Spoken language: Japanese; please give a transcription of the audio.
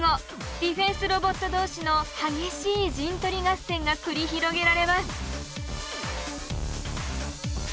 ディフェンスロボット同士の激しい陣取り合戦が繰り広げられます。